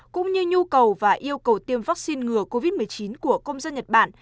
cũng như nhu cầu và yêu cầu tiêm vaccine ngừa covid một mươi chín của công dân nhật bản